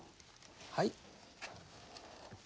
はい。